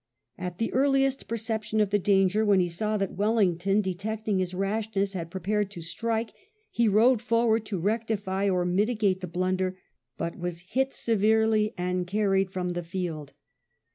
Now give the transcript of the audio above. At the earliest perception of the danger, when he saw that Wellington, detecting his rashness, had prepared to strike, he rode forward to rectify or mitigate the blunder, but was hit severely and carried from the field.